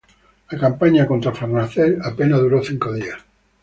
La campaña contra Farnaces apenas duró cinco días.